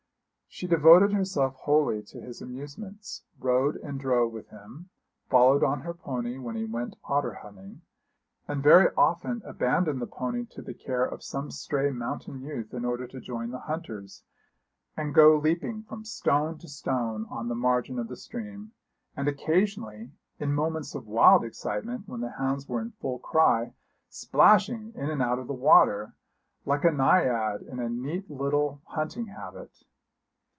She devoted herself wholly to his amusements, rode and drove with him, followed on her pony when he went otter hunting, and very often abandoned the pony to the care of some stray mountain youth in order to join the hunters, and go leaping from stone to stone on the margin of the stream, and occasionally, in moments of wild excitement, when the hounds were in full cry, splashing in and out of the water, like a naiad in a neat little hunting habit.